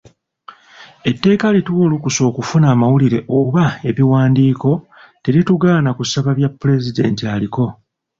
Etteeka erituwa olukusa okufuna amawulire oba ebiwandiiko teritugaana kusaba bya Pulezidenti aliko.